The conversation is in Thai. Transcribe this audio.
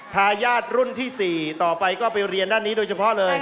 ทายาทรุ่นที่๔ต่อไปก็ไปเรียนด้านนี้โดยเฉพาะเลย